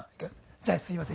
じゃあすいません。